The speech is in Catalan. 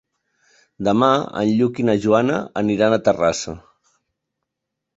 Demà en Lluc i na Joana aniran a Terrassa.